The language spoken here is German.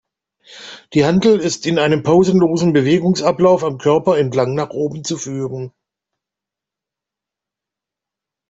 Die Hantel ist in einem pausenlosen Bewegungsablauf am Körper entlang nach oben zu führen.